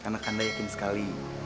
karena kanda yakin sekali